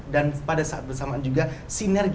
dan pada saat bersamaan juga sinergi